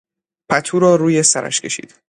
پتو را روی سرش کشید.